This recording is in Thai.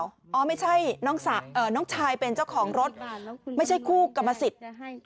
อ๋อไม่ใช่น้องชายเป็นเจ้าของรถไม่ใช่คู่กรรมสิทธิ์